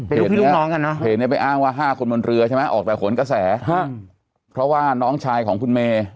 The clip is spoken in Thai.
เพจนี้ไปอ้างว่า๕คนบนเรือใช่ไหมออกแต่ขนกระแสเพราะว่าน้องชายของคุณเมย์